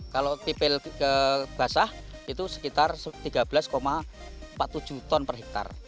kalau tipil basah itu sekitar tiga belas empat puluh tujuh ton per hektare